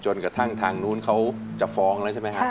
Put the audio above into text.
กระทั่งทางนู้นเขาจะฟ้องแล้วใช่ไหมครับ